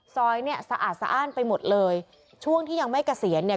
ซอยเนี่ยสะอาดสะอ้านไปหมดเลยช่วงที่ยังไม่เกษียณเนี่ย